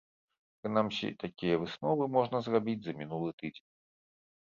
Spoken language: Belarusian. Прынамсі, такія высновы можна зрабіць за мінулы тыдзень.